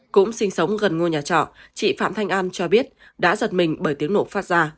cũng sinh sống gần ngôi nhà trọ chị phạm thanh an cho biết đã giật mình bởi tiếng nổ phát ra